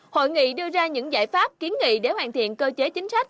hội nghị đưa ra những giải pháp kiến nghị để hoàn thiện cơ chế chính sách